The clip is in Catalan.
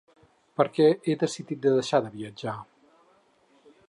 Per què he decidit de deixar de viatjar?